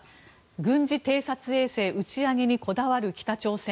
軍事偵察衛星打ち上げにこだわる北朝鮮。